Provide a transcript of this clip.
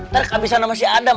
terk abis sana sama si adam